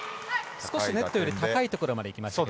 少しネットより高いところまで行きましたね。